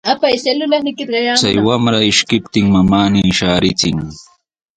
Chay wamra ishkiptin mamanmi shaarichin.